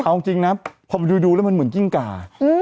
เอาจริงนะพอมันดูแล้วมันเหมือนยิ่งก่า